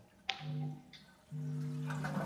芝妍表示自己对模特儿工作有兴趣。